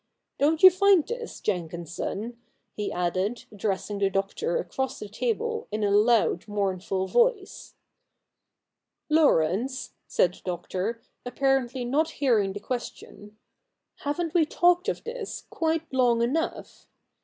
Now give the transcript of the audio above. Don't you find this, Jenkinson?' he added, addressing the Doctor across the table in a loud mournful voice. 28 THE NEW REPUBLIC [bk. i ' Laurence,' said the Doctor, apparently not hearing the question, 'haven't we talked of this quite long enough